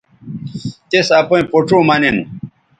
تِس اپئیں پوڇوں مہ نن